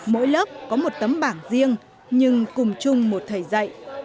mỗi lớp có một tấm bảng riêng nhưng cùng chung một thầy dạy